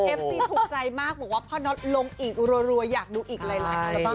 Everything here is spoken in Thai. เอฟซีถูกใจมากบอกว่าพ่อน็อตลงอีกรัวอยากดูอีกหลายอัลบั้